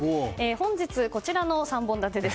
本日、こちらの３本立てです。